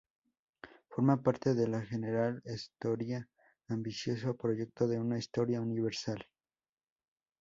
Forma parte de la "General estoria", ambicioso proyecto de una historia universal.